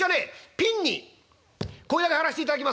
ピンにこれだけ張らせていただきますんで」。